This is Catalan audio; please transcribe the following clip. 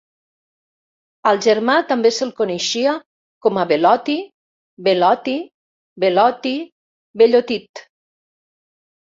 Al germà també se'l coneixia com a "Belloti", "Belloty", "Beloty" o "Bellottit".